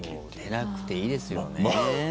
出なくていいですよね。